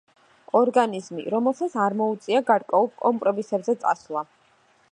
ორგანიზმი, რომელსაც არ მოუწია გარკვეულ კომპრომისებზე წასვლა.